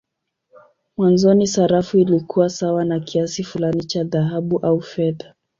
Mwanzoni sarafu ilikuwa sawa na kiasi fulani cha dhahabu au fedha.